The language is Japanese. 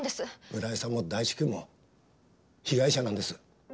村井さんも大地くんも被害者なんです。